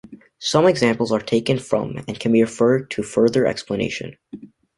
Some examples are taken from and can be referred to for further explanation.